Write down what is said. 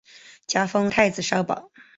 加封太子少保。